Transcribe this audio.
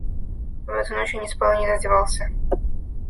В эту ночь я не спал и не раздевался.